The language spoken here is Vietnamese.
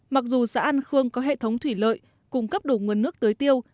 mặc dù xã an khương có hệ thống thủy lợi cung cấp đủ nguồn nước tưới tiêu